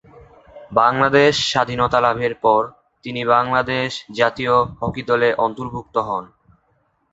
বাংলাদেশ স্বাধীনতা লাভের পর তিনি বাংলাদেশ জাতীয় হকি দলে অন্তর্ভুক্ত হন।